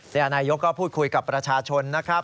นายกก็พูดคุยกับประชาชนนะครับ